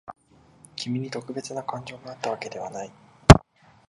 君に特別な感情があったわけではない。